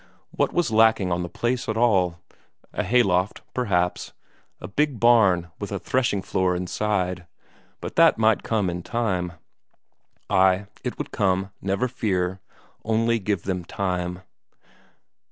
What was lacking on the place at all? A hayloft, perhaps; a big barn with a threshing floor inside but that might come in time. Ay, it would come, never fear, only give then time.